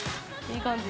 ◆いい感じ。